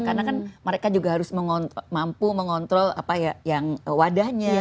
karena kan mereka juga harus mampu mengontrol apa ya yang wadahnya